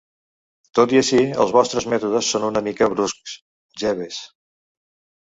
Tot i així, els vostres mètodes són una mica bruscs, Jeeves.